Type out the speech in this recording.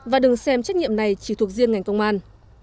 và đừng xem trách nhiệm này chỉ thuộc riêng ngành công an